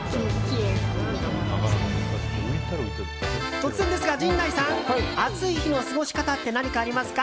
突然ですが、陣内さん暑い日の過ごし方って何かありますか？